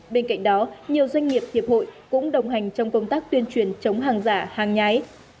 bên cạnh đó nhiều doanh nghiệp hiệp hội cũng đồng hành trong công tác tuyên truyền chống hàng giả hàng nhái